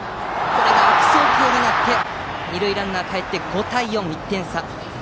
これが悪送球になって二塁ランナーがかえって５対４の１点差。